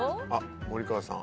森川さん。